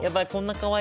かわいい！